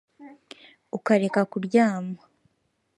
ukareka kuryama